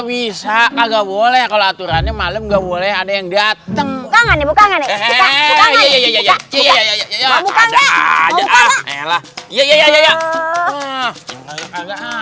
bisa kagak boleh kolaturannya malam enggak boleh ada yang datang